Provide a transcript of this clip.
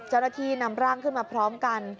เจ้าหน้าที่นำร่างขึ้นมาพร้อมกัน